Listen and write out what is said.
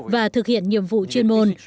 và thực hiện nhiệm vụ chuyên môn